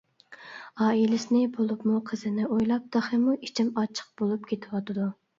ئائىلىسىنى، بولۇپمۇ قىزىنى ئويلاپ تېخىمۇ ئىچىم ئاچچىق بولۇپ كېتىۋاتىدۇ.